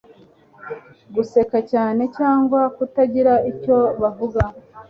guseka cyane cyangwa kutagira icyo bavuga